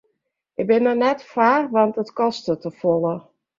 Ik bin der net foar want it kostet te folle.